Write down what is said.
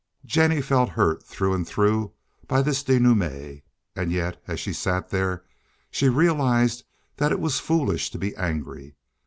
Jennie felt hurt through and through by this denouement, and yet as she sat there she realized that it was foolish to be angry.